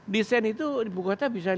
desain itu di buku kota bisa lima